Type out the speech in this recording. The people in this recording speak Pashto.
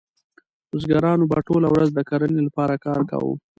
بزګرانو به ټوله ورځ د کرنې لپاره کار کاوه.